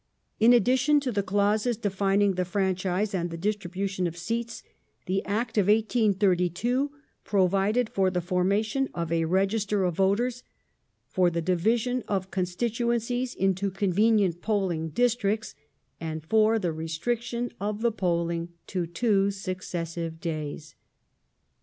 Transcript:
In addition to the clauses defining / the franchise and the distribution of seats, the Act of 1832 provided f for the formation of a register of voters, for the division of con ) stituencies into convenient polling districts, and for the restriction of the polling to two successive days.